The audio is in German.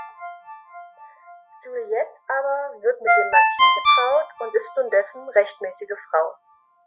Juliette aber wird mit dem Marquis getraut und ist nun dessen rechtmäßige Frau.